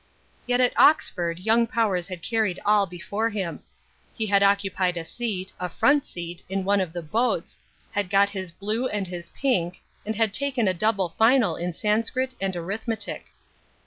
Yet at Oxford young Powers had carried all before him. He had occupied a seat, a front seat, in one of the boats, had got his blue and his pink, and had taken a double final in Sanscrit and Arithmetic.